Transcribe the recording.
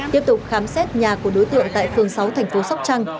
tiếp tục khám xét nhà của đối tượng tại phường sáu thành phố sóc trăng